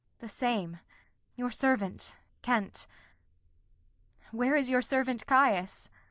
The same Your servant Kent. Where is your servant Caius?